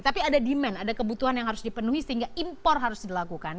tapi ada demand ada kebutuhan yang harus dipenuhi sehingga impor harus dilakukan